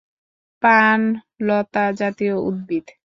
পান লতা জাতীয় উদ্ভিদ।